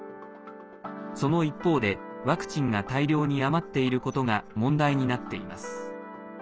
その一方でワクチンが大量に余っていることが問題になっています。